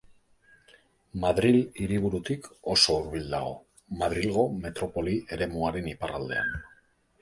Madril hiriburutik oso hurbil dago, Madrilgo metropoli eremuaren iparraldean.